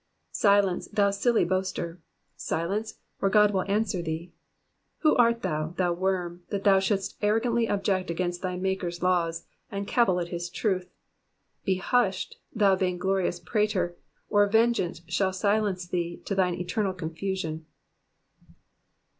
Silence, thou silly boaster ! Silence ! or God will answer thee. Who art thou, thou worm, that thou shouldst arrogantly object against thy Maker's laws and cavil at bis truth ? Be hushed, thou vainglorious prater, or vengeance shall silence thee to thine eternal confusion.